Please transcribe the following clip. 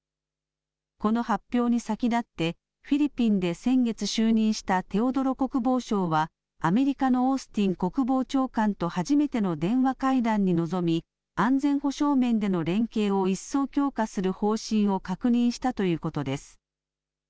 この発表に先立って、フィリピンで先月就任したテオドロ国防相はアメリカのオースティン国防長官と初めての電話会談に臨み、安全保障面での連携を一層強化する方針を確認したということです。